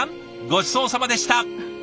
ごちそうさまでした。